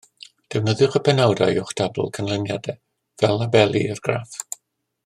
Defnyddiwch y penawdau o'ch tabl canlyniadau fel labeli i'r graff